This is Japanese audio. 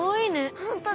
ホントだ。